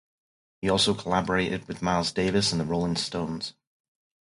He also collaborated with Miles Davis and the Rolling Stones.